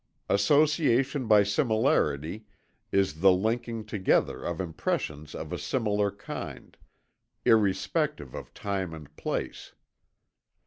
Association by similarity is the linking together of impressions of a similar kind, irrespective of time and place.